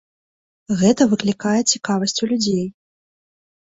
Гэта выклікае цікавасць у людзей.